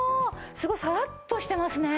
すごいさらっとしてますね。